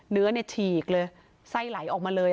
เนื้อฉีกเลยไส้ไหลออกมาเลย